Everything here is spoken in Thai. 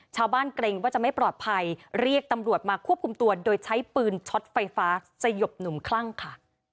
เกรงว่าจะไม่ปลอดภัยเรียกตำรวจมาควบคุมตัวโดยใช้ปืนช็อตไฟฟ้าสยบหนุ่มคลั่งค่ะ